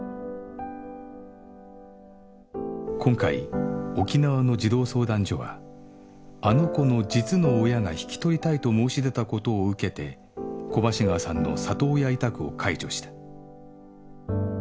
今回沖縄の児童相談所は「あの子」の実の親が引き取りたいと申し出たことを受けて小橋川さんの里親委託を解除した